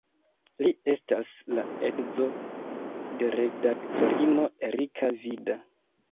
Li estas la edzo de redaktorino Erika Vida.